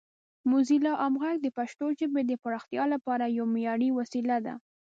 موزیلا عام غږ د پښتو ژبې د پراختیا لپاره یوه معیاري وسیله ده.